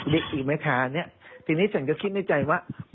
อีกไหมคะเนี่ยทีนี้ฉันก็คิดในใจว่า